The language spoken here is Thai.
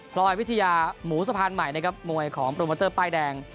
ลอยวิทยาหมูสะพานใหม่นะครับมวยของโปรโมเตอร์ป้ายแดง